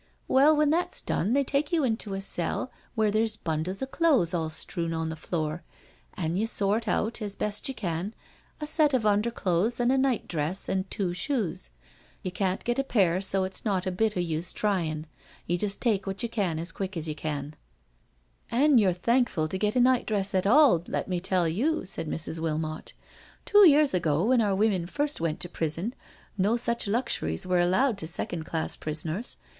" Well, when that's done they take you into a cell where there's bundles of clothes all strewn on the floor, an' you sort out, as best you can, a set of underclothes and a nightdress and two shoes — you can't get a pair, so it's not a bit o' use tryin'. You just take what you can as quick as you can/' "* CANTERBURY TALES 117 *' An' you*re thankful to get a nightdress at all, let me tell you/' said Mrs. Wilmot. Two years ago, when our women first went to prison, no such luxuries were allowed to second class prisoners.